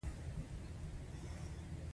دلته د بې عدالتۍ په اړه بحث کوو.